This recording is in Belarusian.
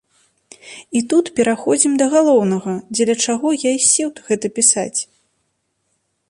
І тут пераходзім да галоўнага, дзеля чаго я і сеў гэта пісаць.